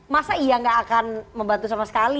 masa iya nggak akan membantu sama sekali